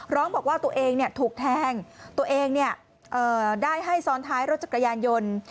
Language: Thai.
ร้องบอกว่าตัวเองถูกแทงตัวเองได้ให้ซ้อนท้ายรถจักรยานยนต์